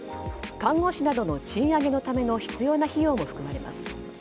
看護師などの賃上げのための必要な費用も含まれます。